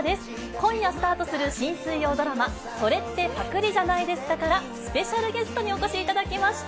今夜スタートする新水曜ドラマ、それってパクりじゃないですか？からスペシャルゲストにお越しいただきました。